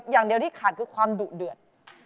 อย่างเดียวที่ขาดคือความดุเดือด